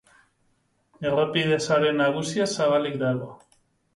Errepide sare nagusia zabalik dago.